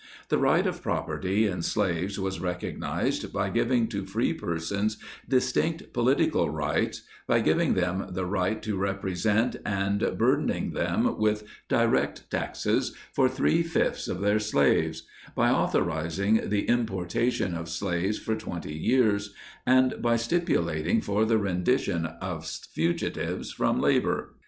The right of property in slaves was recognized by giving to free persons distinct political rights, by giving them the right to represent, and burthening them with direct taxes for three fifths of their slaves; by authorizing the importation of slaves for twenty years ; and by stipulating for the rendition of fugitives from labor.